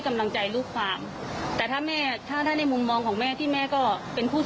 ก็เราเห็นประวัติการยุทธภัณฑ์ในศาลมาแล้วทั้งหมด